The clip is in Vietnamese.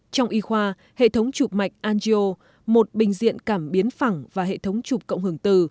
trong y khoa hệ thống chụp mạch angio một bệnh viện cảm biến phẳng và hệ thống chụp cộng hưởng từ